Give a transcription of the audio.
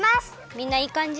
みんないいかんじ？